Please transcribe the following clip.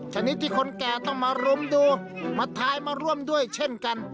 ชนิดที่คนแก่ต้องมารุมดูมาทายมาร่วมด้วยเช่นกัน